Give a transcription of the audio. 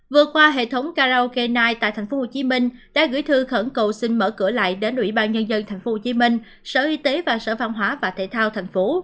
vừa qua hệ thống karaoke tại tp hcm đã gửi thư khẩn cầu xin mở cửa lại đến ủy ban nhân dân tp hcm sở y tế và sở văn hóa và thể thao tp hcm